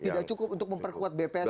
tidak cukup untuk memperkuat bps